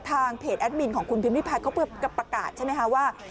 ทางเพจแอดมินของคุณพิมพิพัฒน์เขาประกาศใช่ไหมคะว่า